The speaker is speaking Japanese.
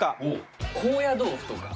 高野豆腐とか。